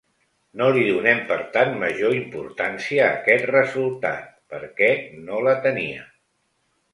No li donem per tant major importància a aquest resultat, perquè no la tenia.